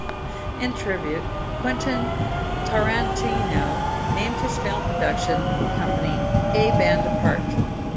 In tribute, Quentin Tarantino named his film production company "A Band Apart".